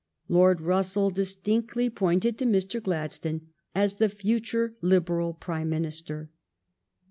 Lord Russell dis tinctly pointed to Mr. Gladstone as the future Liberal Prime Minister.